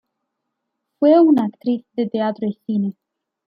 Fue actriz de teatro y cine.